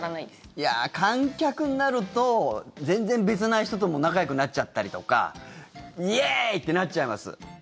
いや、観客になると全然別な人とも仲よくなっちゃったりとかイエーイ！ってなっちゃいます。